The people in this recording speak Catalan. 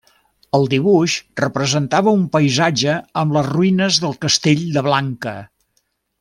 El dibuix representava un paisatge amb les ruïnes del castell de Blanca.